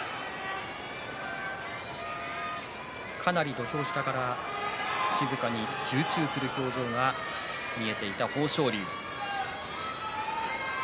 土俵下から静かに集中する表情が見えていた豊昇龍。